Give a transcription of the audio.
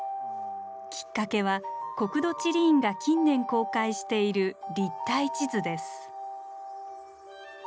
きっかけは国土地理院が近年公開している立体地図です。